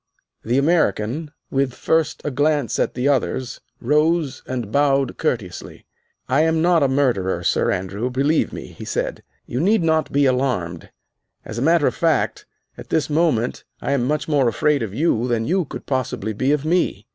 The American, with first a glance at the others, rose and bowed courteously. "I am not a murderer, Sir Andrew, believe me," he said; "you need not be alarmed. As a matter of fact, at this moment I am much more afraid of you than you could possibly be of me.